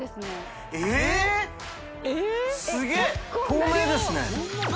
透明ですね。